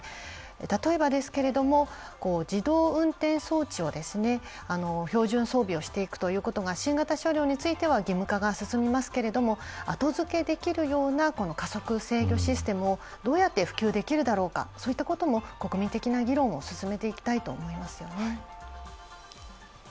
例えばですけれども、自動運転装置を標準装備をしていくということが新型車両については、義務化が進みますけれども後付けできるような加速制御システムをどうやって普及できるだろうか、そういったことも国民的な議論を進めていきたいと思いますよね。